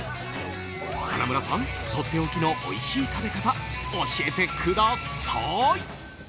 花村さん、とっておきのおいしい食べ方教えてください。